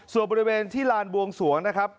ส่วนบริเวณที่ลานบวงสวงนะครับ